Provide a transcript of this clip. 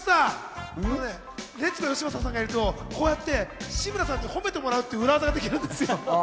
加藤さん、レッツゴーよしまささんがいると、こうやって志村さんに褒めてもらうっていう裏技ができるんですよ。